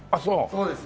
そうです。